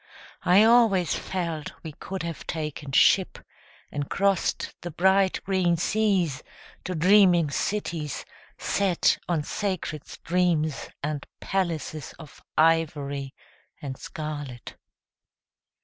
I always felt we could have taken ship And crossed the bright green seas To dreaming cities set on sacred streams And palaces Of ivory and scarlet.